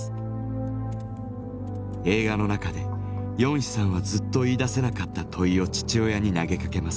映画の中でヨンヒさんはずっと言いだせなかった問いを父親に投げかけます。